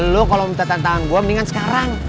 lo kalau minta tantangan gue mendingan sekarang